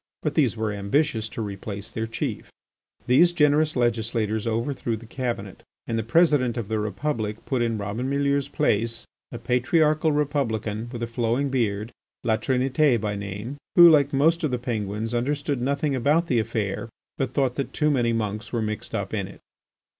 But these were ambitious to replace their chief. These generous legislators overthrew the cabinet, and the President of the Republic put in Robin Mielleux's place, a patriarchal Republican with a flowing beard, La Trinité by name, who, like most of the Penguins, understood nothing about the affair, but thought that too many monks were mixed up in it.